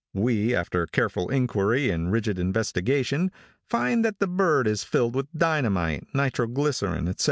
We, after careful inquiry and rigid investigation, find that the bird is filled with dynamite, nitroglycerine, etc.